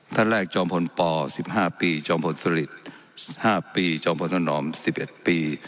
ท่านแรกจอมพลป๑๕ปีจอมพลสริต๕ปีจอมพลธนอม๑๑ปี